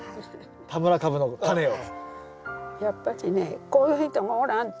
田村かぶのタネを。